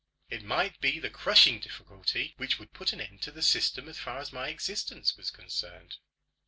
It might be the crushing difficulty which would put an end to the system as far as my existence was concerned.